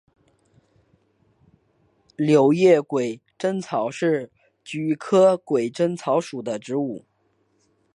柳叶鬼针草是菊科鬼针草属的植物。